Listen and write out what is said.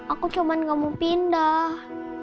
aku cuma gak mau pindah